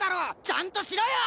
ちゃんとしろよ！